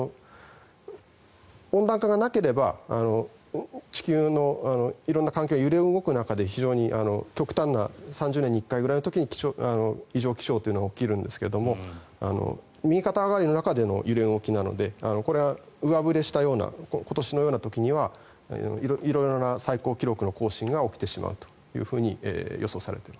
温暖化がなければ地球の色んな環境が揺れ動く中で非常に極端な３０年に１回ぐらいの時に異常気象って起きるんですが右肩上がりの中での揺れ動きなのでこれは上振れしたような今年のような時には色々な最高記録の更新が起きてしまうというふうに予想されている。